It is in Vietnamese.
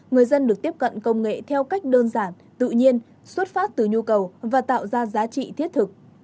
người dân được tiếp cận công nghệ theo cách đơn giản tự nhiên xuất phát từ nhu cầu và tạo ra giá trị thiết thực